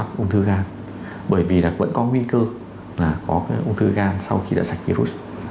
ung thư gan bởi vì là vẫn có nguy cơ là có cái ung thư gan sau khi đã sạch virus